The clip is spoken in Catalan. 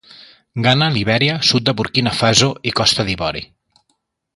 Ghana, Libèria, sud de Burkina Faso i Costa d'Ivori.